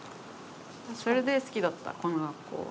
それで好きだったこの学校は。